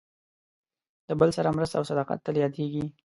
د بل سره مرسته او صداقت تل یادېږي.